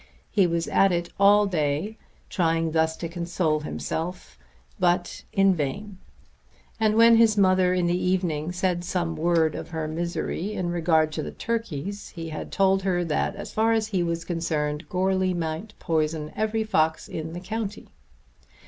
He was at it all day, trying thus to console himself, but in vain; and when his mother in the evening said some word of her misery in regard to the turkeys he had told her that as far as he was concerned Goarly might poison every fox in the county.